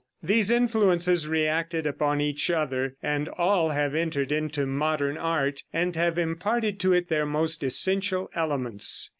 These influences reacted upon each other, and all have entered into modern art, and have imparted to it their most essential elements.